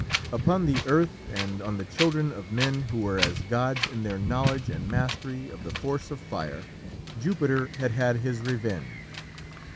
Upon the earth, and on the children of men who were as gods in their knowledge and mastery of the force of fire, Jupiter had had his revenge.